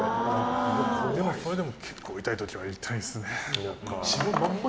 でも、それでも結構痛い時は痛いんですね。